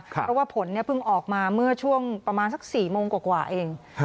เพราะว่าผลเพิ่งออกมาเมื่อช่วงประมาณสัก๔โมงกว่าเอง